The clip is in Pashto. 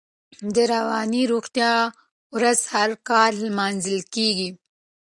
د رواني روغتیا ورځ هر کال نمانځل کېږي.